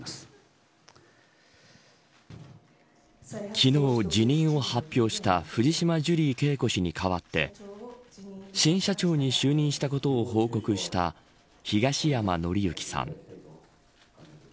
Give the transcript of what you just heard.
昨日辞任を発表した藤島ジュリー景子氏に代わって新社長に就任したことを報告した東山紀之さん。